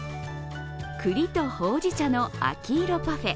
栗とほうじ茶の秋色パフェ。